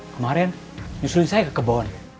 kemaren nyusulin saya ke kebon